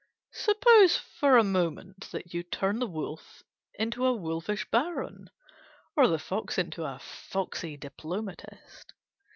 Suppose, for a moment, that you turn the wolf into a wolfish baron, or the fox into a foxy diplomatist.